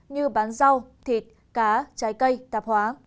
như bán rau thịt cá trái cây tạp hóa